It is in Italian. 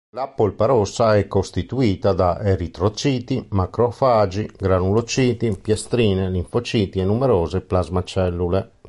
La polpa rossa è costituita da eritrociti, macrofagi, granulociti, piastrine, linfociti e numerose plasmacellule.